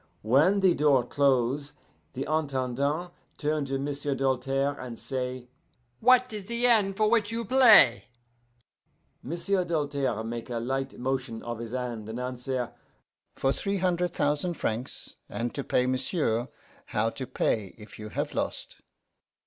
"When the door close, the Intendant turn to M'sieu' Doltaire and say, 'What is the end for which you play?' M'sieu' Doltaire make a light motion of his hand, and answer, 'For three hunder' thousan' francs.' 'And to pay, m'sieu', how to pay if you have lost?